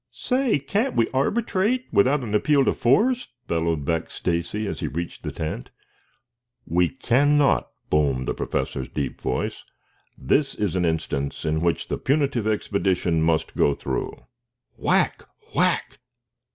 "Say, can't we arbitrate, without an appeal to force?" bellowed back Stacy as he reached the tent. "We cannot," boomed the Professor's deep voice. "This is an instance in which the punitive expedition must go through." _Whack! Whack!